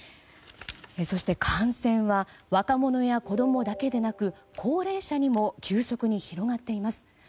そして、感染は若者や子供だけでなく高齢者にも急速に広がっています。